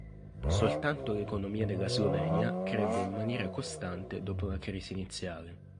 Soltanto l'economia della Slovenia crebbe in maniera costante dopo la crisi iniziale.